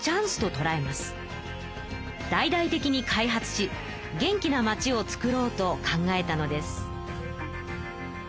大々的に開発し元気な町をつくろうと考えたのです。